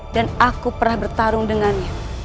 dan aku pernah bertarung dengannya